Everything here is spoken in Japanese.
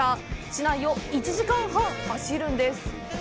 市内を１時間半、走るんです。